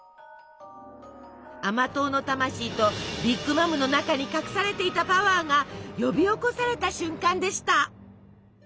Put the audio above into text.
甘党の魂とビッグ・マムの中に隠されていたパワーが呼び起こされた瞬間でした。